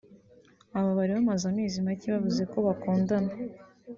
Aba bari bamaze amezi make bavuze ko bakundana